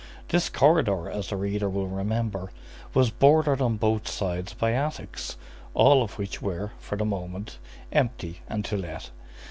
This corridor, as the reader will remember, was bordered on both sides by attics, all of which were, for the moment, empty and to let.